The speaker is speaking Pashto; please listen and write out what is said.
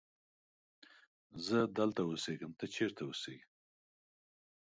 زه دلته اسیږم ته چیرت اوسیږی